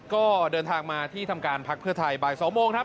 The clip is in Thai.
ก็เดินทางมาที่ทำการพักเพื่อไทยบ่าย๒โมงครับ